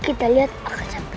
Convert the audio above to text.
kita lihat apa yang terjadi